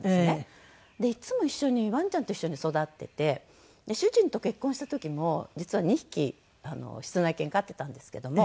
いつも一緒にワンちゃんと一緒に育ってて主人と結婚した時も実は２匹室内犬飼ってたんですけども。